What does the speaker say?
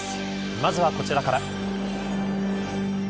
まずはこちらから。